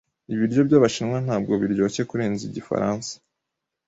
Ibiryo byabashinwa ntabwo biryoshye kurenza igifaransa.